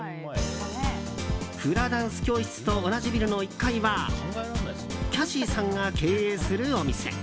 フラダンス教室と同じビルの１階はキャシーさんが経営するお店。